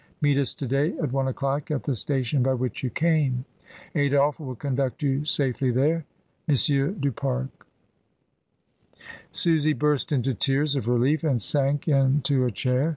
Meet us to day at one o'clock at the station by which you came. Adolphe will conduct you safely there. — M. du P. Susy burst into tears of relief, and sank into a chair.